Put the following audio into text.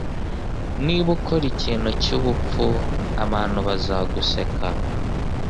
Niba ukora ikintu cyubupfu, abantu bazaguseka.